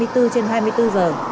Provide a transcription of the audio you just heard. hai mươi bốn trên hai mươi bốn giờ